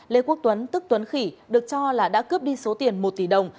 lê quốc tuấn tức tuấn khỉ được cho là đã cướp đi số tiền một tỷ đồng